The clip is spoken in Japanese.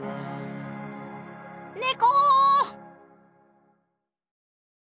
猫！